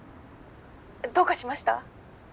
どうかしました？